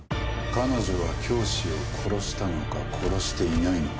彼女は教師を殺したのか殺していないのか。